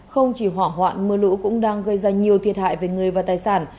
không chỉ hỏa hoạn mưa lũ cũng đang gây ra nhiều thiệt hại về người và tài sản